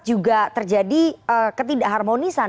juga terjadi ketidak harmonisan